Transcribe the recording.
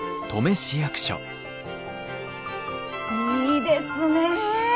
いいですねえ。